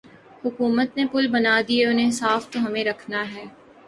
حکومت نے پل بنادیئے انہیں صاف تو ہم نے رکھنا ہے۔